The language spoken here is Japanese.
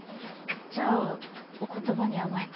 じゃあお言葉に甘えて。